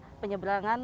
kita sudah menyeberangkan